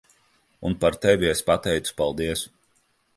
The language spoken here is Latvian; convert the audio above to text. Un par tevi es pateicu paldies.